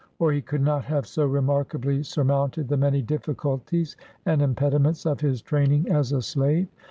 or he could not have so remarkably sur mounted the many difficulties and impediments of his training as a slave.